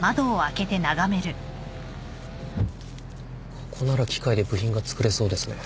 ここなら機械で部品が作れそうですね。